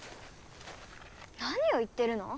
何を言ってるの？